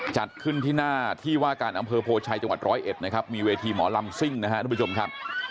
จัดขึ้นที่หน้าที่ว่าการอำเภอโพชัยจังหวัดร้อยเอ็ดนะครับมีเวทีหมอลำซิ่งนะครับทุกผู้ชมครับ